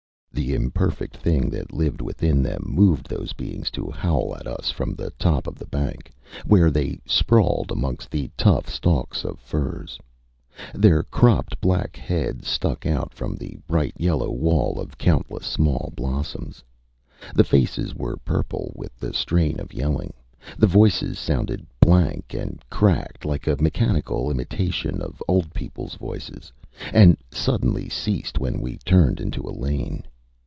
The imperfect thing that lived within them moved those beings to howl at us from the top of the bank, where they sprawled amongst the tough stalks of furze. Their cropped black heads stuck out from the bright yellow wall of countless small blossoms. The faces were purple with the strain of yelling; the voices sounded blank and cracked like a mechanical imitation of old peopleÂs voices; and suddenly ceased when we turned into a lane.